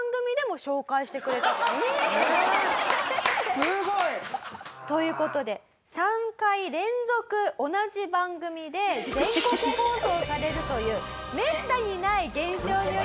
すごい！という事で３回連続同じ番組で全国放送されるというめったにない現象によりまして